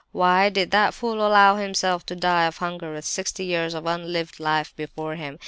Why did that fool allow himself to die of hunger with sixty years of unlived life before him?